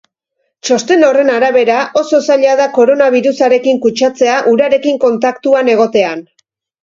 Txosten horren arabera, oso zaila da koronabirusarekin kutsatzea urarekin kontaktuan egotean.